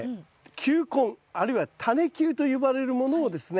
球根あるいはタネ球と呼ばれるものをですね